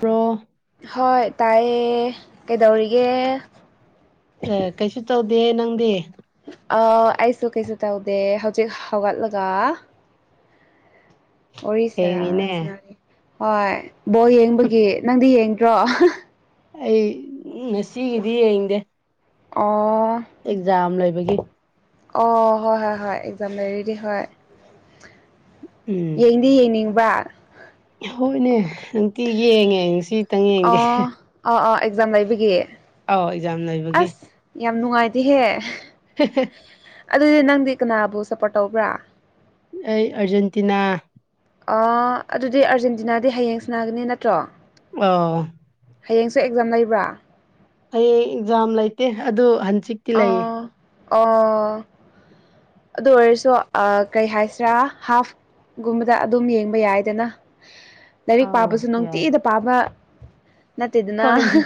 bro ꯍꯣꯏ ꯇꯥꯏꯌꯦ ꯀꯩꯗꯧꯔꯤꯒꯦ ꯗꯦ ꯅꯪꯗꯦ ꯑ ꯑꯩꯁꯨ ꯀꯩꯁꯨ ꯇꯧꯗꯦ ꯍꯧꯖꯤꯛ ꯍꯧꯒꯠꯂꯒ ꯑꯣꯔꯤꯁꯔꯥ ꯊꯦꯡꯉꯤꯅꯦ ꯍꯣꯏ ꯕꯣ ꯌꯦꯡꯕꯒꯤ ꯅꯪꯗꯤ ꯌꯦꯡꯗ꯭ꯔꯣ ꯑꯩ ꯎꯝ ꯉ ꯁꯤꯒꯤꯗꯤ ꯌꯦꯗꯦ ꯑ ꯑꯦꯛꯖꯥꯝ ꯂꯩꯕꯒꯤ ꯑꯣ ꯍꯣꯏ ꯍꯣꯏ ꯍꯣꯏ ꯑꯦꯖꯝ ꯂ ꯔꯦꯗꯤ ꯍ ꯎꯝ ꯌꯦꯡꯗꯤ ꯌꯦꯡꯅꯤꯡꯕ ꯍꯣꯏꯅꯦ ꯅꯨꯡꯇꯤ ꯌꯦꯡꯉꯦ ꯑꯩ ꯉꯁꯤꯇꯪ ꯌꯦꯡꯗꯦ ꯑꯣ ꯑꯣ ꯑꯣ ꯑꯦꯛꯖꯥꯝ ꯂꯩꯕꯒꯤ ꯑꯧ ꯑꯦꯛꯖꯥꯝ ꯂꯩꯕꯒꯤ ꯑꯁ ꯌꯥꯝ ꯅꯨꯡꯉꯥꯏꯇꯦꯍꯦ [unintelligible] ꯑꯗꯨꯗꯤ ꯅꯪꯗꯤ ꯀꯅꯥꯕꯨ ꯁꯞꯄꯣꯔꯠ ꯇꯧꯕ꯭ꯔꯥ ꯑꯩ ꯑꯔꯖꯦꯟꯇꯤꯅꯥ ꯑꯣ.. ꯑꯗꯨꯗꯤ ꯑꯔꯖꯦꯟꯇꯤꯅꯥꯗꯤ ꯍꯌꯦꯡ ꯁ꯭ꯅꯥꯒꯅꯤ ꯅꯠꯇ꯭ꯔꯣ ꯑꯧ ꯍꯌꯦꯡꯁꯨ ꯑꯦꯛꯖꯥꯝ ꯂꯩꯕ꯭ꯔꯥ ꯍꯌꯦꯡ ꯑꯦꯛꯖꯥꯝ ꯂꯩꯇꯦ ꯑꯗꯨ ꯍꯟꯆꯤꯛꯇꯤ ꯂꯩꯌꯦ ꯑꯣ ꯑꯣ ꯑꯗꯨ ꯑꯣꯏꯔꯁꯨ ꯀꯩ ꯍꯥꯏꯁꯤꯔꯥ ꯍꯥꯐ ꯒꯨꯝꯕꯗ ꯑꯗꯨꯝ ꯌꯦꯡꯕ ꯌꯥꯏꯗꯅ ꯂꯥꯏꯔꯤꯛ ꯑꯥ ꯄꯥꯕꯁꯨ ꯌꯥꯏ ꯅꯨꯡꯇꯤꯗ ꯄꯥꯕ ꯅꯠꯇꯦꯗꯅ ꯍꯣꯏꯅꯦ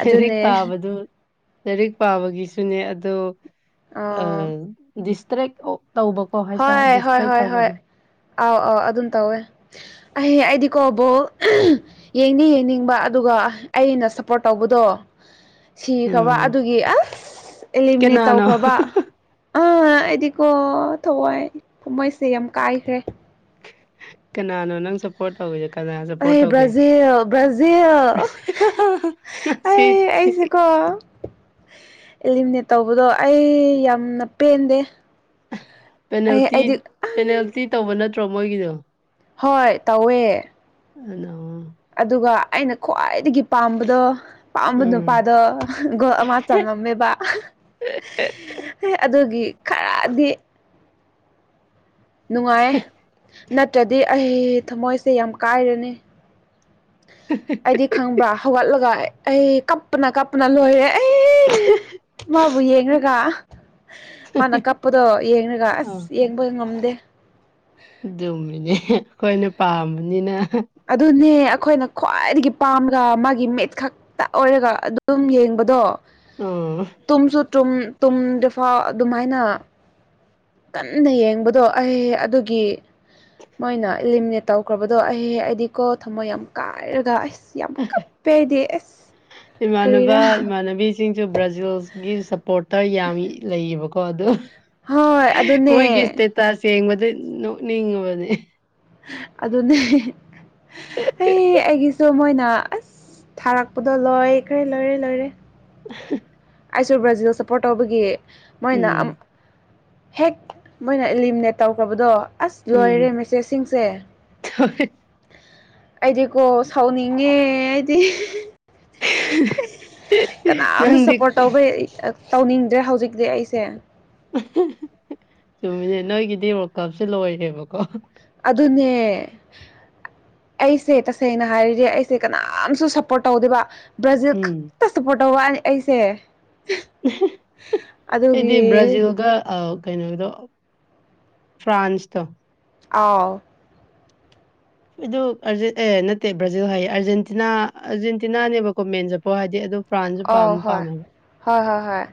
ꯂꯩꯔꯤꯛ ꯑꯗꯨꯅꯦ ꯄꯥꯕꯗꯨ ꯂꯥꯏꯔꯤꯛ ꯄꯥꯕꯒꯤꯁꯨꯅꯦ ꯑꯗꯣ ꯑꯥ ꯗꯤꯁꯇꯔꯦꯛ ꯑꯣꯐ ꯇꯧꯕꯀꯣ ꯍꯥꯏꯇꯥꯔꯦ ꯍꯣꯏ ꯍꯣꯏ ꯗꯤꯁꯇ꯭ꯔꯦꯛ ꯍꯣꯏ ꯍꯣꯏ ꯇꯧꯕꯒꯤ ꯑꯥꯎ ꯑꯥꯎ ꯑꯗꯨꯝ ꯇꯧꯋꯦ ꯑꯩ ꯑꯩꯗꯤꯀꯣ ꯕꯣꯜ ꯌꯦꯡꯅꯤ ꯌꯦꯡꯅꯤꯡ ꯑꯩꯅ ꯁꯄꯣꯔꯠ ꯇꯧꯕꯗꯣ ꯁꯤꯈ꯭ꯔꯕ ꯎꯝ ꯑꯗꯨꯒꯤ ꯑꯁ ꯑꯦꯂꯤꯃꯤꯅꯦꯠ ꯀꯅꯥꯅꯣ ꯇꯧꯈ꯭ꯔꯕ ꯑꯥ ꯑꯩꯗꯤꯀꯣ ꯊꯋꯥꯏ ꯊꯃꯣꯏꯁꯦ ꯌꯥꯝ ꯀꯥꯏꯈ꯭ꯔꯦ ꯀꯩꯅꯥꯅꯣ ꯅꯪ ꯁꯄꯣꯔꯠ ꯇꯒꯋꯦ ꯑꯩ ꯕ꯭ꯔꯥꯖꯤꯜ ꯕ꯭ꯔꯥꯖꯤꯜ ꯉꯁꯤ ꯑꯩ ꯑꯩꯁꯦꯀꯣ ꯑꯦꯂꯤꯃꯤꯅꯦꯠ ꯇꯧꯕꯗꯣ ꯑꯩ ꯌꯥꯝꯅ ꯄꯦꯟꯗꯦ ꯑꯩ ꯄꯦꯅꯥꯜꯇꯤ ꯑꯩꯗꯤ ꯄꯦꯅꯥꯜꯇꯤ ꯇꯧꯕ ꯅꯠꯇ꯭ꯔꯣ ꯃꯣꯏꯒꯤꯗꯣ ꯍꯣꯏ ꯇꯧꯋꯦ ꯑꯅꯣ ꯑꯗꯨꯒ ꯑꯩꯅ ꯈ꯭ꯋꯥꯏ ꯗꯒꯤ ꯄꯥꯝꯕꯗꯣ ꯄꯥꯝꯕ ꯎꯝ ꯅꯨꯄꯥꯗꯣ ꯒꯣꯜ ꯑꯃ ꯆꯪꯉꯝꯃꯦꯕ [unintelligible] ꯑꯦ ꯑꯗꯨꯒꯤ ꯈꯔꯗꯤ ꯅꯨꯡꯉꯥꯢꯌꯦ ꯅꯠꯇ꯭ꯔꯗꯤ ꯑꯩ ꯊꯃꯣꯏꯁꯦ ꯌꯥꯝ ꯀꯥꯏꯔꯅꯤ ꯑꯩꯗꯤ ꯈꯪꯕ꯭ꯔꯥ ꯍꯧꯒꯠꯂꯒ ꯑꯩ ꯀꯞꯄꯅ ꯀꯞꯄꯅ ꯂꯣꯏꯔꯦ ꯑꯩ [unintelligible] ꯃꯥꯕꯨ ꯌꯦꯡꯔꯒ ꯃꯥꯅ ꯀꯞꯄꯗꯣ ꯌꯦꯡꯔꯒ ꯑꯁ ꯌꯦꯡꯕ ꯉꯝꯗꯦ ꯑꯗꯨꯨꯝꯃꯤꯅꯦ ꯑꯩꯈꯣꯏꯅ ꯄꯥꯝꯕꯅꯤꯅ ꯑꯗꯨꯅꯦ ꯑꯩꯈꯣꯏꯅ ꯈ꯭ꯋꯥꯏꯗꯒꯤ ꯄꯥꯝꯒ ꯃꯥꯒꯤ ꯃꯤꯠ ꯈꯛꯇ ꯑꯣꯏꯔꯒ ꯑꯗꯨꯝ ꯌꯦꯡꯕꯗꯣ ꯑꯥ ꯇꯨꯝꯁꯨ ꯇꯨꯝ ꯇꯨꯝꯗ ꯐꯥꯎ ꯑꯗꯨꯃꯥꯏꯅ ꯀꯟꯅ ꯌꯦꯡꯕꯗꯣ ꯑꯩ ꯑꯗꯨꯒꯤ ꯃꯣꯏꯅ ꯏꯂꯤꯃꯤꯅꯦꯠ ꯇꯧꯈ꯭ꯔꯕꯗꯣ ꯑꯩꯍꯦ ꯑꯩꯗꯤꯀꯣ ꯊꯝꯃꯣꯏ ꯌꯥꯝ ꯀꯥꯏꯔꯒ ꯑꯁ ꯌꯥꯝ ꯀꯞ ꯄꯦꯗꯤ ꯑꯁ ꯏꯃꯥꯟꯅꯕ ꯀꯔꯤꯔꯥ ꯏꯃꯥꯟꯅꯕꯤꯁꯤꯡꯁꯨ ꯕ꯭ꯔꯥꯖꯤꯜꯒꯤ ꯁꯄꯣꯔꯠꯇ ꯌꯥꯝꯃꯤ ꯂꯩꯌꯦꯕ ꯀꯣ ꯑꯗꯨ ꯍꯣꯏ ꯑꯗꯨꯅꯦ ꯃꯣꯏꯒꯤ ꯁꯇꯦꯇꯁ ꯌꯦꯡꯕꯗ ꯅꯣꯛꯅꯤꯡꯉꯕꯅꯦ ꯑꯗꯨꯅꯦ ꯑꯩ ꯑꯩꯒꯤꯁꯨ ꯃꯣꯏ ꯅ ꯑꯁ ꯊꯥꯔꯛꯄꯗꯨ ꯂꯣꯏ ꯈꯔꯦ ꯂꯣꯏꯔꯦ ꯂꯣꯏꯔꯦ [unintelligible] ꯑꯩꯁꯨ ꯕ꯭ꯔꯥꯖꯤꯜ ꯁꯞꯄꯣꯔꯠ ꯇꯧꯕꯒꯤ ꯃꯣꯏꯅ ꯎꯝ ꯍꯦꯛ ꯃꯣꯏꯅ ꯑꯦꯂꯤꯃꯤꯅꯦꯠ ꯇꯧꯈ꯭ꯔꯕꯗꯣ ꯑꯁ ꯎꯝ ꯂꯣꯏꯔꯦ ꯃꯦꯁꯦꯁꯁꯤꯡꯁꯦ ꯑꯩꯗꯤꯀꯣ ꯁꯥꯎꯅꯤꯡꯉꯦ ꯑꯩꯗꯤ ꯀꯅꯥꯝꯇ ꯅꯪꯗꯤ ꯁꯞꯄꯣꯔꯠ ꯇꯧꯕꯩ ꯇꯧꯅꯤꯡꯦ ꯗ꯭ꯔꯦ ꯍꯧꯖꯤꯛꯇꯤ ꯑꯩꯁꯦ ꯆꯨꯝꯃꯤꯅꯦ ꯅꯣꯏꯒꯤꯗꯤ ꯔ ꯀꯞꯁꯦ ꯂꯣꯏꯔꯦꯕꯀꯣ ꯑꯗꯨꯅꯦ ꯑꯩꯁꯦ ꯇꯁꯦꯡꯅ ꯍꯥꯏꯔꯤꯗꯤ ꯑꯩꯁꯦ ꯀꯅꯥꯝꯁꯨ ꯁꯞꯄꯣꯔꯠ ꯇꯧꯗꯕ ꯕ꯭ꯔꯥꯖꯤꯜ ꯎꯝ ꯈꯛꯇ ꯁꯞꯄꯣꯔꯠ ꯇꯧꯕ ꯋꯥꯅꯤ ꯑꯩꯁꯦ ꯑꯗꯨꯒꯤ ꯑꯩꯗꯤ ꯕ꯭ꯔꯥꯖꯤꯜꯒ ꯑ ꯀꯩꯅꯣꯗꯣ ꯐ꯭ꯔꯥꯟꯁꯇꯣ ꯑꯥꯎ ꯑꯗꯨ ꯑꯦ ꯅꯠꯇꯦ ꯕ꯭ꯔꯥꯖꯤꯜ ꯍꯥꯏꯌꯦ ꯑꯔꯖꯦꯟꯇꯤꯅꯥ ꯑꯥꯔꯖꯦꯟꯇꯤꯅꯥꯅꯦꯕꯀꯣ ꯃꯦꯟ ꯆꯠꯄꯣ ꯍꯥꯏꯗꯤ ꯑꯗꯨ ꯐ꯭ꯔꯥꯟꯁꯨ ꯑ ꯄꯥꯝꯗꯤ ꯍꯣꯏ ꯄꯥꯝꯃꯦꯕ ꯍꯣꯏ ꯍꯣꯏ ꯍꯣꯏ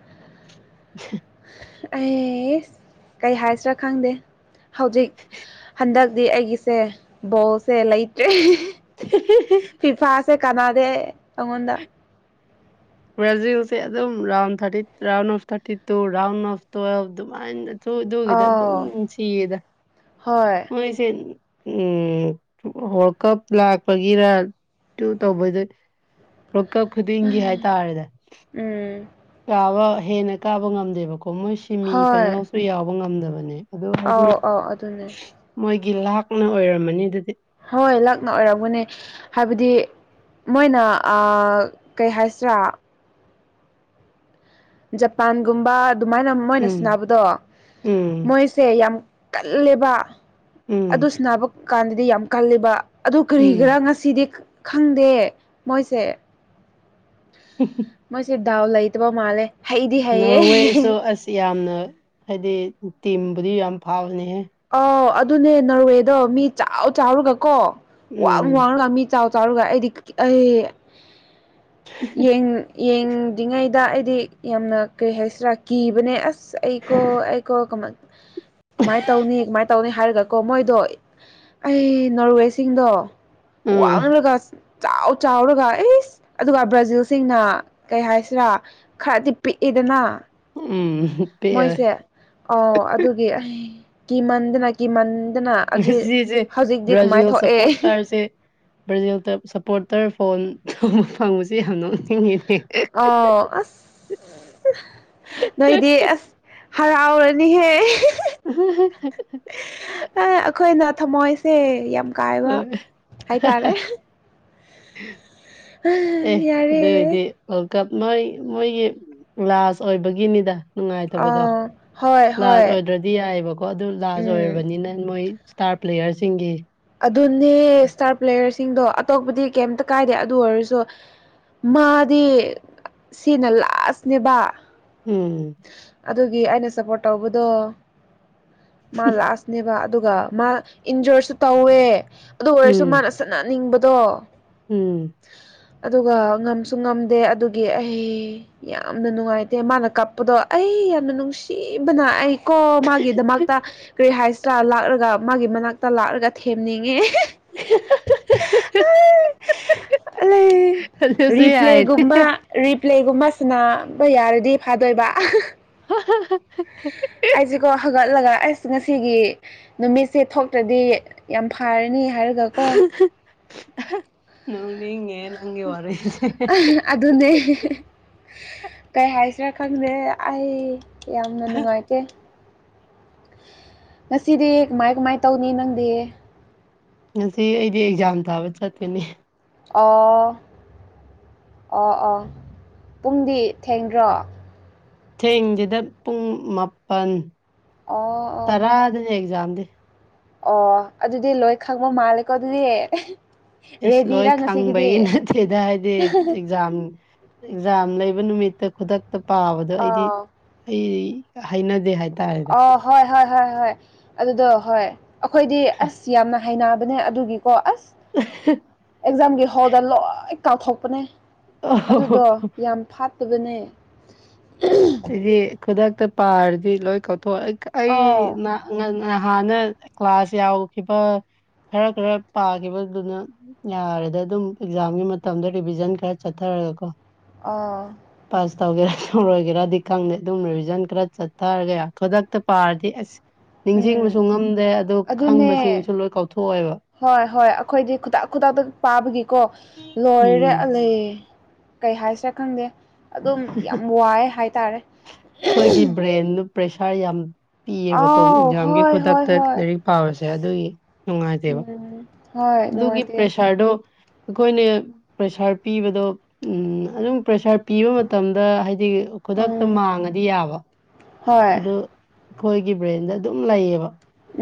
ꯑꯩꯁ ꯀꯩ ꯍꯥꯏꯁꯤꯔꯥ ꯈꯪꯗꯦ ꯍꯧꯖꯤꯛ ꯍꯟꯗꯛꯇꯤ ꯑꯩꯒꯤꯁꯦ ꯕꯣꯜꯁꯦ ꯂꯩꯇ꯭ꯔꯦ [unintelligible] ꯀꯅꯥꯗꯦ ꯑꯩꯉꯣꯟꯗ ꯕ꯭ꯔꯖꯤꯜꯁꯦ ꯑꯗꯨꯝꯥꯎ ꯊꯥꯔꯥꯎ ꯊꯥꯔꯇꯤ ꯇꯥꯎ ꯒꯤꯗ ꯑꯗꯨꯝ ꯑꯥꯎ ꯁꯤꯌꯦꯗ ꯍꯣꯏ ꯃꯣꯏꯁꯦ ꯎꯝ ꯍ ꯀꯞ ꯂꯥꯛꯄꯒꯤꯔ ꯇꯨ ꯇꯧꯧꯕꯗ ꯂꯣꯛꯀꯞ ꯈꯨꯗꯤꯡꯒꯤ ꯍꯥꯏꯇꯥꯔꯦꯗ ꯎꯝ ꯀꯥꯕ ꯍꯦꯟꯅ ꯀꯥꯕ ꯉꯝꯗꯦꯕꯀꯣ ꯑꯣ ꯃꯣꯏ ꯁꯤꯦꯃꯤ ꯐꯥꯏꯅꯥꯜꯁꯨ ꯌꯥꯎꯕ ꯉꯝꯗꯕꯅꯦ ꯑꯗꯣ ꯑꯥꯎ ꯑꯥꯎ ꯑꯗꯨꯅꯦ ꯒꯤ ꯂꯥꯛꯅ ꯑꯣꯏꯔꯝꯃꯅꯤ ꯑꯗꯨꯗꯤ ꯍꯣꯏ ꯂꯛꯅ ꯑꯣꯏꯔꯒꯅꯦ ꯍꯥꯏꯕꯗꯤ ꯃꯣꯏꯅ ꯀꯩ ꯍꯥꯏꯁꯤꯔꯥ ꯖꯄꯥꯟꯒꯨꯝꯕ ꯑꯗꯨꯃꯥꯏꯅ ꯃꯣꯏꯅ ꯎꯝ ꯁꯟꯅꯕꯗꯣ ꯎꯝ ꯃꯣꯏꯁꯦ ꯌꯥꯝ ꯀꯜꯂꯦꯕ ꯎꯝ ꯑꯗꯨ ꯁꯤ ꯕ ꯀꯥꯟꯗꯗꯤ ꯌꯥꯝ ꯀꯂꯦꯕ ꯑꯗꯨ ꯎꯝ ꯀꯔꯤꯒꯔꯥ ꯉꯁꯤꯗꯤ ꯈꯪꯗꯦ ꯃꯣꯏꯁꯦ ꯃꯣꯏꯁꯦ ꯗꯥꯎ ꯂꯩꯇꯕ ꯃꯥꯜꯂꯦ ꯍꯩꯗꯤ ꯍꯩꯌꯦ ꯅꯣꯔꯋꯦꯁꯨ ꯑꯁ ꯌꯥꯝꯅ ꯍꯥꯏꯗꯤ ꯇꯤꯕꯨꯗꯤ ꯌꯥꯝ ꯐꯥꯎꯋꯦ ꯑꯥꯎ ꯑꯗꯨꯅꯦ ꯅꯔꯋꯦꯗꯣ ꯃꯤ ꯆꯥꯎ ꯆꯥꯎꯔꯒ ꯀꯣ ꯋꯥꯡ ꯎꯝ ꯋꯥꯡꯉꯒ ꯃꯤ ꯆꯥꯎ ꯆꯥꯎꯔꯒ ꯑꯩꯗꯤ ꯑꯩ ꯌꯦꯡ ꯌꯦꯡꯗ꯭ꯔꯤꯉꯩꯗ ꯑꯩꯗꯤ ꯌꯥꯝꯅ ꯀꯩ ꯍꯥꯏꯁꯤꯔꯥ ꯀꯤꯕꯅꯦ ꯑꯁ ꯑꯩ ꯀꯣ ꯑꯩꯀꯣ ꯀꯃꯥꯏ ꯇꯧꯅꯤ ꯀꯃꯥꯏꯅ ꯇꯧꯅꯤ ꯍꯥꯏꯔꯒꯀꯣ ꯃꯣꯏꯗꯣ ꯑꯩ ꯅꯣꯔꯋꯦꯁꯤꯡꯗꯣ ꯋꯥ ꯎꯝ ꯋꯥꯂꯒꯁꯤ ꯆꯥꯎ ꯆꯥꯎꯔꯒ ꯑꯦꯁ ꯑꯗꯨꯒ ꯕ꯭ꯔꯥꯖꯤꯜꯁꯤꯡꯅ ꯀꯩ ꯍꯥꯏꯁꯤꯔꯥ ꯈꯔꯗꯤ ꯄꯤꯛꯏ ꯑꯅ ꯎꯝ ꯄꯦꯜꯂꯦ ꯃꯣꯏꯁꯦ ꯑ ꯑꯗꯨꯒꯤ ꯀꯤꯃꯟꯗꯅ ꯀꯤꯃꯟ ꯁꯦ ꯕ꯭ꯔꯥꯖꯤꯜ ꯁꯄꯣꯠ ꯊꯣꯛꯑꯦ ꯇꯥꯔꯁꯦ ꯭ꯔꯥꯖꯤꯜ ꯁꯄꯣꯠ ꯑꯣꯇꯔ ꯐꯣꯟ ꯊꯣꯡꯕ ꯐꯪꯕꯕꯁꯤꯦ ꯌꯥꯝ ꯅꯣꯛꯛꯅꯤꯡꯉꯤ ꯑ ꯑꯁ ꯅꯣꯏꯗꯤ ꯑꯁ ꯍꯔꯥꯎꯔꯅꯤꯍꯦ ꯎ ꯊꯝꯃꯣꯏꯁꯦ ꯌꯥꯝ ꯀꯥꯏꯕ ꯍꯥꯏꯇꯥꯔꯦ ꯑꯦ ꯑꯗꯨꯗ ꯌꯥꯔꯦ ꯏꯗꯤ ꯀꯞ ꯃꯣꯏ ꯃꯣꯏꯒꯤ ꯒ꯭ꯂꯥꯁ ꯑꯣꯏꯕꯒꯤꯅꯤꯗ ꯅꯨꯡꯉꯥꯏꯇꯕꯗꯣ ꯑꯥ ꯍꯣꯏ ꯂꯥꯔꯖ ꯍꯣꯏ ꯑꯣꯏꯗ꯭ꯔꯗꯤ ꯌꯥꯏꯑꯕꯀꯣ ꯑꯗꯨ ꯂꯥꯔꯖ ꯎꯝ ꯑꯣꯏꯔꯕꯅꯤꯅ ꯃꯣꯏ ꯏꯁꯇꯥꯔ ꯄ꯭ꯂꯦꯌꯔꯁꯤꯡꯒꯤ ꯑꯗꯨꯅꯦ ꯏꯁꯇꯥꯔ ꯄ꯭ꯂꯦꯌꯔꯁꯤꯡꯗꯣ ꯑꯇꯣꯞꯄꯗꯤ ꯀꯩꯝꯇ ꯀꯥꯏꯗꯦ ꯑꯗꯨ ꯑꯣꯏꯔꯁꯨ ꯃꯥꯗꯤ ꯁꯤꯅ ꯂꯥꯁꯅꯦꯕ ꯎꯝ ꯑꯗꯨꯒꯤ ꯑꯩꯅ ꯁꯞꯄꯣꯔꯠ ꯇꯧꯕꯗꯣ ꯃꯥ ꯂꯥꯁꯅꯦꯕ ꯑꯗꯨꯒ ꯃꯥ ꯏꯟꯖꯣꯔꯁꯨ ꯇꯧꯋꯦ ꯑꯗꯨ ꯑꯣꯏꯔꯁꯨ ꯎꯝ ꯃꯥꯅ ꯆꯠꯅꯅꯤꯡꯕꯗꯣ ꯎꯝ ꯑꯗꯨꯒ ꯉꯝꯁꯨ ꯉꯝꯗꯦ ꯑꯗꯨꯒꯤ ꯑꯩ ꯌꯥꯝꯅ ꯅꯨꯡꯉꯥꯏꯇꯦ ꯃꯥꯅ ꯀꯞꯄꯗꯣ ꯑꯩ ꯑꯩ ꯌꯥꯝꯅ ꯅꯨꯡꯁꯤꯕꯅ ꯑꯩ ꯀꯣ ꯃꯥꯒꯤꯗꯃꯛꯇ ꯀꯔꯤ ꯍꯥꯏꯁꯤꯔꯥ ꯂꯥꯛꯂꯒ ꯃꯥꯒꯤ ꯃꯅꯥꯛꯇ ꯂꯥꯛꯂꯒ ꯊꯦꯝꯅꯤꯡꯉꯦ ꯑ ꯂꯩ ꯑꯗꯨꯁꯨ ꯌꯥꯏꯅꯦ ꯔꯤꯄ꯭ꯂꯦꯒꯨꯝꯕ ꯔꯤꯄ꯭ꯂꯦꯒꯨꯝꯕꯁꯤꯅ ꯌꯥꯔꯗꯤ ꯐꯥꯗꯣꯏꯕ ꯑꯩꯁꯤꯦꯀꯣ ꯍꯒꯠꯂꯒ ꯑꯁ ꯉꯁꯤꯒꯤ ꯅꯨꯃꯤꯠꯁꯦ ꯊꯣꯛꯇ꯭ꯔꯗꯤ ꯌꯥꯝ ꯐꯔꯅꯤ ꯍꯥꯏꯔꯒꯀꯣ ꯅꯪꯅꯤ ꯃꯟ ꯑꯦ ꯋꯥꯔꯁ ꯑꯗꯨꯅꯦ ꯀꯩ ꯍꯥꯏꯁꯤꯔꯥ ꯈꯪꯗꯦ ꯑꯩ ꯌꯥꯝꯅ ꯅꯨꯡꯉꯥꯏꯇꯦ ꯉꯁꯤꯗꯤ ꯀꯃꯥꯏ ꯀꯃꯥꯏ ꯇꯧꯅꯤ ꯅꯪꯗꯤ ꯉꯁꯤ ꯑꯩꯗꯤ ꯑꯦꯛꯖꯥꯝ ꯊꯥꯕ ꯆꯠꯇꯀꯅꯦ ꯑꯣ ꯑꯣ ꯑꯣ ꯄꯨꯡꯗꯤ ꯊꯦꯡꯗ꯭ꯔꯣ ꯊꯦꯡꯁꯤꯗ ꯄꯨꯡ ꯃꯥꯄꯜ ꯑꯣ ꯑꯣ ꯇꯔꯥꯗ ꯖꯗ ꯑꯣ ꯑꯗꯨꯗꯤ ꯂꯣꯏ ꯈꯥꯛꯕ ꯃꯥꯂꯦꯀꯣ ꯑꯗꯨꯗꯤ ꯏꯁꯁ ꯂꯣꯏ ꯔꯦꯗꯤꯔꯥ ꯉꯁꯤꯒꯤꯗꯤ ꯈꯪꯕꯒꯤ ꯅꯠꯇꯦꯗ ꯍꯥꯏꯗꯤ ꯑꯦꯛꯖꯥꯝ ꯑꯦꯛꯖꯥꯝ ꯂꯩꯕ ꯅꯨꯃꯤꯠꯇ ꯈꯨꯗꯛꯇ ꯄꯥꯕꯗꯣ ꯑꯩꯗꯤ ꯑꯥ ꯑꯩ ꯍꯥꯏꯅꯗꯦ ꯍꯥꯏ ꯑ ꯍꯣꯏ ꯍꯣꯏ ꯍꯣꯏ ꯍꯣꯏ ꯑꯗꯨꯗꯣ ꯍꯣꯏ ꯑꯩꯈꯣꯏꯗꯤ ꯑꯁ ꯌꯥꯝꯅ ꯍꯕꯅꯦ ꯑꯗꯨꯒꯤꯀꯣ ꯑꯁ ꯑꯦꯛꯖꯥꯝꯒꯤ ꯍꯣꯜꯗ ꯂꯣꯏ ꯀꯥꯎꯊꯣꯛꯄꯅꯦ ꯑꯣ ꯑꯗꯨꯗꯣ ꯌꯥꯝ ꯐꯠꯇꯕꯅꯦ ꯑꯩꯗꯤ ꯈꯨꯗꯛꯇ ꯄꯥꯔꯗꯤ ꯂꯣꯏ ꯀꯧꯊꯣꯛꯦ ꯑꯥꯎ ꯑꯩꯅ ꯍꯥꯟꯅ ꯀ꯭ꯂꯥꯁ ꯌꯥꯎꯈꯤꯕ ꯈꯔ ꯈꯔ ꯄꯥꯈꯤꯕꯗꯨꯅ ꯌꯥꯔꯦꯗ ꯑꯗꯨꯝ ꯑꯦꯛꯖꯥꯝꯒꯤ ꯃꯇꯝꯗ ꯔꯤꯚꯖꯟ ꯈꯔ ꯆꯠꯊꯔ ꯒꯣ ꯑꯥ ꯇꯧꯒꯦꯔꯥ ꯇꯔꯣꯏꯒꯦꯔꯗꯤ ꯈꯪꯗꯦ ꯑꯗꯨꯝ ꯔꯤꯖꯟ ꯈꯔ ꯆꯠꯊꯔꯒ ꯈꯨꯗꯛꯇ ꯄꯥꯔꯗꯤ ꯑꯁ ꯎꯝ ꯅꯤꯡꯁꯤꯡꯕꯁꯨ ꯉꯝꯗꯦ ꯑꯗꯨ ꯑꯗꯨꯅꯦ ꯈꯪꯁꯤꯡꯁꯨ ꯂꯣꯏ ꯀꯥꯎꯊꯣꯛꯑꯦꯕ ꯍꯣꯏ ꯍꯣꯏ ꯑꯩꯈꯣꯏꯗꯤ ꯈꯨꯗꯥꯛ ꯈꯨꯗꯥꯛꯇ ꯄꯥꯕꯒꯤꯀꯣ ꯑꯣ ꯂꯣꯏꯔꯦ ꯎꯝ ꯑꯂ ꯀꯩ ꯍꯥꯏꯁ꯭ꯔꯦ ꯈꯪꯗꯦ ꯑꯗꯨꯝ ꯌꯥꯝ ꯋꯥꯏ ꯍꯥꯏꯇꯥꯔꯦ ꯄ꯭ꯔꯦꯁꯔ ꯌꯥꯝ ꯄꯤꯌꯦꯕꯀꯣ ꯑꯥꯎ ꯑꯦꯛꯖꯥꯝꯒꯤ ꯍꯣꯏ ꯍꯣꯏ ꯈꯨꯗꯛꯇ ꯍꯣꯏ ꯂꯥꯏꯔꯤꯛ ꯄꯥꯕꯁꯦ ꯑꯗꯨꯒꯤ ꯅꯨꯡꯉꯥꯏꯇꯦꯕ ꯎꯝ ꯍꯣꯏ ꯑꯗꯨꯒꯤ ꯅꯨꯡꯉꯥꯏꯇꯦ ꯄ꯭ꯔꯦꯁꯥꯔꯗꯣ ꯑꯩꯈꯣꯏꯅꯦ ꯄ꯭ꯔꯦꯁꯥꯔ ꯄꯤꯕꯗꯣ ꯎꯝ ꯑꯗꯨꯝ ꯄ꯭ꯔꯦꯁꯥꯔ ꯄꯤꯕ ꯃꯇꯝꯗ ꯍꯥꯏꯗꯤ ꯈꯨꯗꯛꯇ ꯎꯝ ꯃꯥꯡꯉꯗꯤ ꯌꯥꯕ ꯍꯣꯏ ꯑꯗꯨ ꯑꯩꯈꯣꯏꯒꯤ ꯕ꯭ꯔꯦꯟꯗ ꯑꯗꯨꯝ ꯂꯩꯌꯦꯕ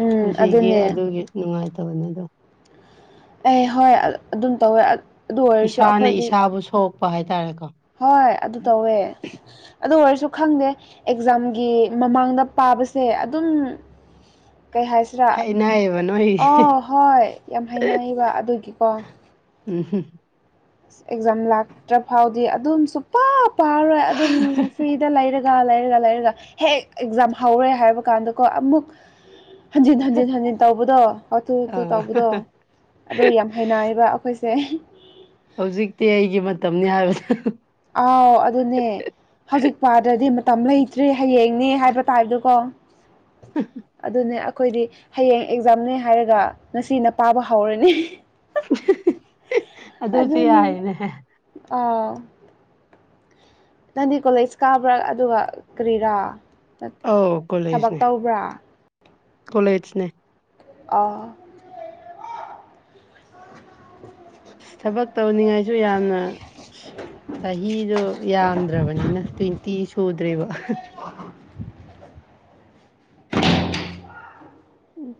ꯎꯝ ꯄꯨꯟꯁꯤꯒꯤ ꯑꯗꯨꯅꯦ ꯑꯗꯨꯒꯤ ꯅꯨꯡꯉꯥꯏꯇꯕꯅꯤꯗꯣ ꯑꯦ ꯍꯣꯏ ꯑꯗꯨꯝ ꯇꯧꯋꯦ ꯑꯗꯨ ꯑꯣꯏꯔꯁꯨ ꯏꯁꯥꯅ ꯑꯩꯈꯣꯏꯗꯤ ꯏꯁꯥꯕꯨ ꯁꯣꯛꯄ ꯍꯥꯏꯇꯥꯔꯦꯀꯣ ꯍꯣꯏ ꯑꯗꯨ ꯇꯧꯋꯦ ꯑꯗꯨ ꯑꯣꯏꯔꯁꯨ ꯈꯪꯗꯦ ꯑꯦꯛꯖꯥꯝꯒꯤ ꯃꯃꯥꯡꯗ ꯄꯥꯕꯁꯦ ꯑꯗꯨꯝ ꯀꯩ ꯍꯥꯏꯁꯤꯔꯥ ꯍꯥꯏꯅꯩꯌꯦꯕ ꯅꯣꯏ ꯑꯣ ꯍꯣꯏ ꯌꯥꯝ ꯍꯥꯏꯅꯕ ꯑꯗꯨꯒꯤꯀꯣ ꯎꯝꯝ ꯑꯦꯛꯖꯥꯝ ꯂꯥꯛꯇ꯭ꯔ ꯐꯥꯎꯗꯤ ꯑꯗꯨꯝ ꯁꯨꯄꯥ ꯐꯥꯔꯣꯏ ꯑꯗꯨꯝ ꯐ꯭ꯔꯤꯗ ꯂꯩꯔꯒ ꯂꯩꯔꯒ ꯂꯩꯔꯒ ꯍꯦꯛ ꯑꯦꯛꯖꯥꯝ ꯍꯧꯔꯦ ꯍꯥꯏꯕ ꯀꯥꯟꯗꯀꯣ ꯑꯃꯨꯛ ꯍꯟꯖꯤꯟ ꯍꯟꯖꯤꯟ ꯍꯟꯖꯤꯟ ꯇꯧꯕꯗꯣ ꯍꯥꯊꯨ ꯍꯥꯊꯨ ꯑꯥ ꯇꯧꯕꯗꯣ ꯑꯗꯨ ꯌꯥꯝ ꯍꯩꯅꯔꯤꯕ ꯑꯩꯈꯣꯏ ꯁꯦ ꯍꯧꯖꯤꯛꯇꯤ ꯑꯩꯒꯤ ꯃꯇꯝꯅꯤ ꯍꯥꯏꯕꯗ ꯑꯥꯎ ꯑꯗꯨꯅꯦ ꯍꯧꯖꯤꯛ ꯄꯥꯗ꯭ꯔꯗꯤ ꯇ ꯂꯩꯇ꯭ꯔꯔꯤ ꯍꯌꯦꯡꯅꯦ ꯍꯥꯏꯕ ꯇꯥꯏꯞꯇꯣꯀꯣ ꯑꯗꯨꯅꯦ ꯑꯩꯈꯣꯏꯗꯤ ꯍꯌꯦꯡ ꯑꯦꯛꯖꯥꯝꯅꯦ ꯍꯥꯏꯔꯒ ꯉꯁꯤꯅ ꯄꯥꯕ ꯍꯧꯔꯅꯤ ꯑꯗꯨꯁꯨ ꯑꯗꯨꯅꯤ ꯌꯥꯏꯅꯦ ꯑꯥꯎ ꯅꯪꯗꯤ ꯀꯣꯂꯦꯖ ꯀꯥꯕ꯭ꯔꯥ ꯑꯗꯨꯒ ꯀꯔꯤꯔꯥ ꯑꯥꯎ ꯊꯕꯛ ꯀꯣꯂꯦꯖꯅꯦ ꯇꯧꯕ꯭ꯔꯥ ꯀꯣꯂꯦꯖꯅꯦ ꯑꯥ ꯑ ꯊꯕꯛ ꯇꯧꯅꯤꯡꯉꯥꯏꯁꯨ ꯌꯥꯝꯅ ꯆꯍꯤꯗꯣ ꯌꯥꯝꯗ꯭ꯔꯕꯅꯤꯅ ꯇ꯭ꯋꯦꯟꯇꯤ ꯁꯨꯗ꯭ꯔꯦꯕ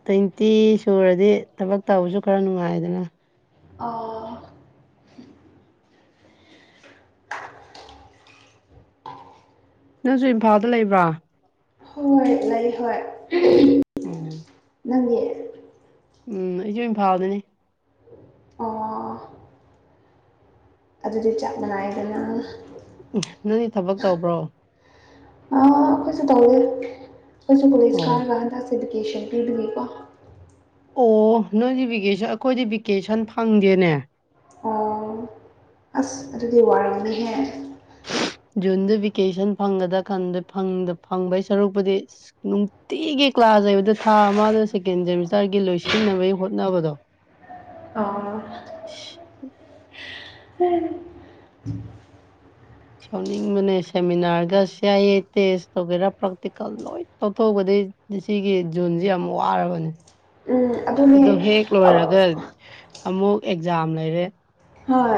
ꯇ꯭ꯋꯦꯟꯇꯤ ꯁꯨꯔꯗꯤ ꯊꯕꯛ ꯇꯧꯕꯁꯨ ꯈꯔ ꯅꯨꯡꯉꯥꯏꯗꯅ ꯑ ꯅꯪꯁꯨ ꯏꯝꯐꯥꯜꯗ ꯂꯩꯕ꯭ꯔꯥ ꯍꯣꯏ ꯂꯩ ꯍꯣꯏ ꯎꯝ ꯅꯪꯉꯦ ꯎꯝ ꯑꯩꯁꯨ ꯏꯝꯐꯥꯜꯗꯅꯤ ꯑ ꯑꯗꯨꯗꯤ ꯆꯞ ꯃꯉꯏꯗꯅ ꯎ ꯅꯪꯗꯤ ꯊꯕꯛ ꯇꯧꯕ꯭ꯔꯣ ꯑꯩꯈꯣꯏꯁꯨ ꯇꯧꯋꯦ ꯑꯩꯈꯣꯏꯁꯨ ꯀꯣꯂꯁ ꯑꯣ ꯀꯥꯔꯒ ꯍꯟꯗꯛꯁꯤꯦꯗꯤ ꯀꯦꯁꯟ ꯄꯤꯗꯨꯒꯀꯣ ꯑꯣ ꯅꯣꯏꯗꯤꯚꯀꯦꯁꯟ ꯑꯩꯈꯣꯏꯗꯤ ꯚꯤꯀꯦꯁꯟ ꯐꯪꯗꯦꯅꯦ ꯑꯁ ꯑꯗꯨꯗꯤ ꯋꯥꯔꯤꯅꯤꯍꯦ ꯖꯨꯟꯗ ꯚꯦꯀꯦꯁꯟ ꯐꯪꯒꯗ꯭ꯔꯥ ꯀꯥꯟꯗ ꯐꯪꯕꯒꯤ ꯁꯔꯨꯛꯄꯨꯗꯤ ꯅꯨꯡꯇꯤꯒꯤ ꯀ꯭ꯂꯥꯁ ꯊꯥꯖꯩꯕꯗ ꯊꯥ ꯑꯃꯗ ꯁꯦꯀꯦꯟ ꯁꯦꯃꯤꯁꯇꯔꯒꯤ ꯂꯣꯏꯁꯤꯟꯅꯕꯒꯤ ꯍꯣꯠꯅꯕꯗꯣ ꯑ ꯎꯝ ꯁꯥꯎꯅꯤꯡꯕꯅꯦ ꯁꯦꯃꯤꯅꯥꯔꯒ ꯁꯤ ꯑꯥꯏ ꯑꯦ ꯇꯦꯁ ꯇꯧꯒꯦꯔꯥ ꯄ꯭ꯔꯥꯛꯇꯤꯀꯦꯜ ꯂꯣꯏ ꯇꯧꯊꯣꯛꯧꯕꯗꯒꯤ ꯁꯤꯒꯤ ꯖꯨꯣꯟꯁꯤꯦ ꯌꯥꯝ ꯋꯥꯔꯕꯅꯦ ꯎꯝ ꯑꯗꯨꯅꯦ ꯑꯗꯨ ꯍꯦꯛ ꯑꯧ ꯂꯣꯏꯔꯒ ꯑꯃꯨꯛ ꯑꯦꯛꯖꯥꯝ ꯂꯩꯔꯦ ꯍꯣꯏ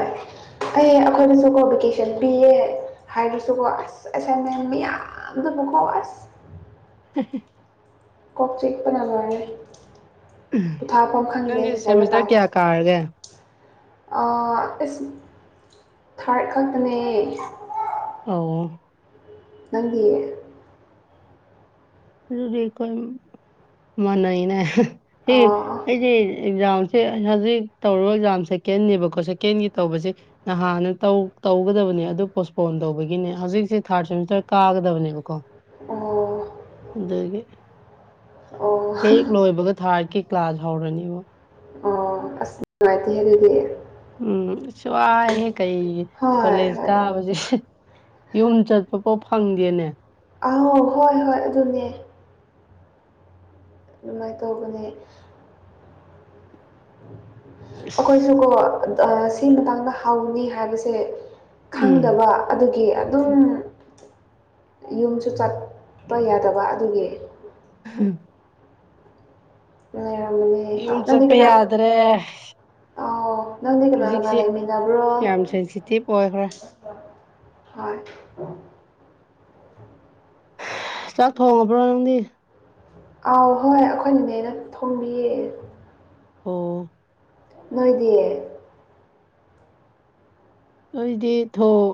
ꯑꯩ ꯑꯩꯈꯣꯏꯅꯁꯨ ꯀꯣ ꯚꯦꯀꯦꯁꯟ ꯄꯤꯌꯦ ꯍꯥꯏꯔꯁꯨꯀꯣ ꯑꯁ ꯑꯁꯥꯏ ꯃ ꯃꯤꯌꯥꯝꯗ ꯑꯃꯨꯀꯣ ꯑꯁ ꯎ ꯀꯣꯛ ꯆꯤꯛꯄꯅꯉꯔꯦ ꯄꯣꯊꯥꯐꯝꯐꯝ ꯈꯪꯗꯦ ꯅꯪꯒꯤ ꯍꯥꯏꯕ ꯁꯦꯃꯤꯁꯇꯔ ꯇꯥꯔꯦ ꯀꯌꯥ ꯀꯥꯔꯒꯦ ꯏꯁ ꯊꯥꯔ ꯈꯛꯇꯅꯦꯌꯦ ꯑ ꯅꯪꯗꯤ ꯑꯗꯨꯗꯤ ꯀꯣꯏ ꯃꯅꯏꯅꯦ ꯍ ꯑꯣ ꯑꯩꯗꯤꯦ ꯑꯦꯛꯖꯥꯝꯁꯦ ꯍꯧꯖꯤꯛ ꯇꯧꯔꯣ ꯑꯦꯛꯖꯥꯝ ꯁꯦꯀꯦꯟꯟꯅꯕꯀꯣ ꯁꯦꯀꯦꯟꯒꯤ ꯇꯧꯕꯁꯦ ꯅꯍꯥꯟꯅ ꯇꯧ ꯇꯧꯒꯗꯕꯅꯦ ꯑꯗꯨ ꯄꯣꯁꯄꯣꯟ ꯇꯧꯕꯒꯤꯅꯦ ꯍꯧꯖꯤꯛꯁꯦ ꯊꯥꯔꯠ ꯁꯦꯃꯤꯁꯇꯔ ꯀꯥꯒꯗꯕꯅꯦꯕꯀꯣ ꯑꯣ ꯑꯗꯒꯤ ꯑꯣ ꯑꯩꯠ ꯂꯣꯏꯕꯒ ꯊꯥꯔꯠꯀꯤ ꯀ꯭ꯂꯥꯁ ꯍꯧꯔꯅꯤꯕ ꯅꯨꯡꯉꯥꯏꯇꯦ ꯑꯗꯨꯗꯤ ꯎꯝ ꯁꯤꯋꯥ ꯍ ꯀꯩ ꯍꯣꯏ ꯀꯣꯂꯦꯖ ꯍꯣꯏ ꯀꯥꯕꯁꯦ ꯌꯨꯝ ꯆꯠꯄꯐꯥꯎ ꯐꯪꯗꯦꯅꯦ ꯑꯧ ꯍꯣꯏ ꯍꯣꯏ ꯑꯗꯨꯅꯦ ꯀꯅꯦ ꯑꯁ ꯑꯩꯈꯣꯏꯁꯨꯀꯣ ꯁꯤ ꯃꯇꯥꯡꯗ ꯍꯧꯅꯤ ꯍꯥꯏꯕꯁꯦ ꯎꯝ ꯈꯪꯗꯕ ꯑꯗꯨꯒꯤ ꯑꯗꯨꯝ ꯌꯨꯝꯁꯨ ꯆꯠꯄ ꯌꯥꯗꯕ ꯑꯗꯨꯒꯤ ꯎꯝ ꯂꯩꯔꯝꯕꯅꯦ ꯏꯨꯝ ꯅꯪꯗꯤ ꯆꯠꯄ ꯀꯅꯥ ꯌꯥꯗ꯭ꯔꯦ ꯅꯅꯥꯪꯗꯤꯒꯅꯂ ꯃꯥ ꯍꯧꯖꯤꯛꯁꯤ ꯂꯩꯃꯤꯗꯥꯕ꯭ꯔꯣ ꯌꯥꯝ ꯁꯦꯟꯁꯤꯇꯤꯞ ꯑꯣꯏꯈ꯭ꯔꯦ ꯍꯣꯏ ꯆꯥꯛ ꯊꯣꯡꯉꯕ꯭ꯔꯣ ꯅꯪꯗꯤ ꯑꯥꯎ ꯍꯣꯏ ꯑꯩꯈꯣꯏꯅꯤꯅꯦꯩꯅ ꯊꯣꯡꯕꯤꯌꯦꯦ ꯑꯣ ꯃꯣꯏꯗꯤ ꯑꯣꯗꯤ ꯊꯣꯛ